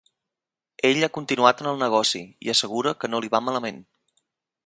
Ell ha continuat en el negoci, i assegura que no li va malament.